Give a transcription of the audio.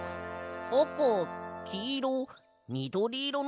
あかきいろみどりいろのけ。